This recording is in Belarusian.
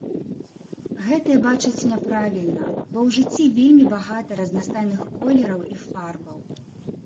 Гэтыя бачаць няправільна, бо ў жыцці вельмі багата разнастайных колераў і фарбаў.